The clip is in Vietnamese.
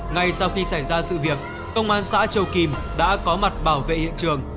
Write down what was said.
ngay sau khi xảy ra sự việc công an xã châu kim đã có mặt bảo vệ hiện trường